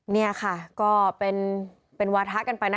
นี่ค่ะก็เป็นวาถะกันไปนะ